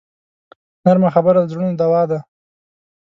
نرمه خبره د زړونو دوا ده